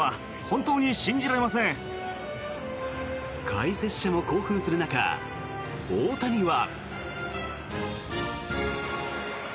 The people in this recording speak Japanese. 解説者も興奮する中大谷は。